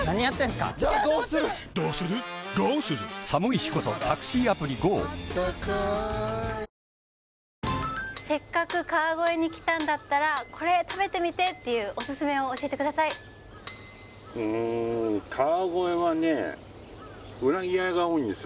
キタね「せっかく川越に来たんだったら「これ食べてみて！」っていうオススメを教えてくださいうんんですよ